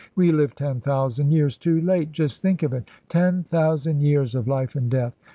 We live ten thousand years too late just think of it ten thousand years of life and death.